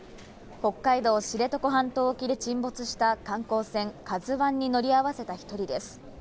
北海道知床半島沖で沈没した観光船、カズワンに乗り合わせた一人です。